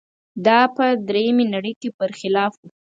دا په درېیمې نړۍ کې برخلاف و.